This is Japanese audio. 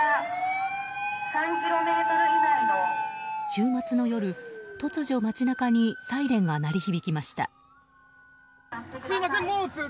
週末の夜、突如街中にサイレンが鳴り響きました。